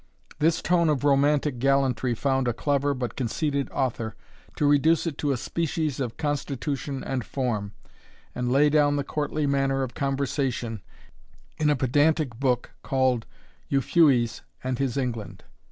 This tone of romantic gallantry found a clever but conceited author, to reduce it to a species of constitution and form, and lay down the courtly manner of conversation, in a pedantic book, called Euphues and his England.